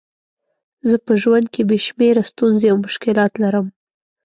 زه په ژوند کې بې شمېره ستونزې او مشکلات لرم.